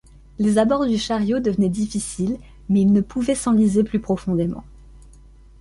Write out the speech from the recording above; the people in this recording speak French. Les abords du chariot devenaient difficiles, mais il ne pouvait s’enliser plus profondément.